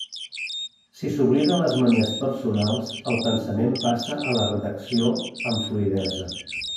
Si s'obliden les manies personals, el pensament passa a la redacció amb fluïdesa.